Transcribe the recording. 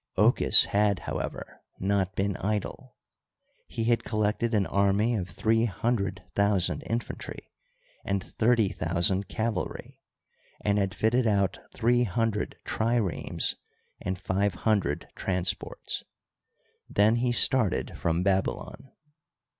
Ochus had, however, not been idle. He had collected an army of three hundred thousand infantry and thirty thousand cavalry, and had fitted out three hundred triremes and five hundred transports. Then he started from Babylon.